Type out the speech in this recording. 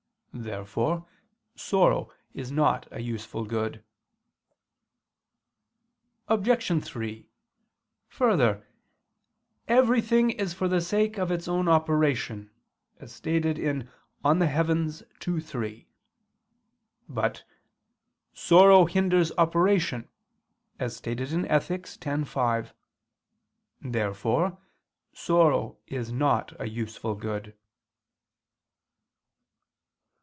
Therefore sorrow is not a useful good. Obj. 3: Further, "Everything is for the sake of its own operation," as stated in De Coelo ii, 3. But "sorrow hinders operation," as stated in Ethic. x, 5. Therefore sorrow is not a useful good.